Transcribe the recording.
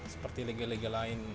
seperti lega lega lain